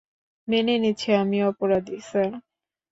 মেনে নিচ্ছি আমি অপরাধী, স্যার।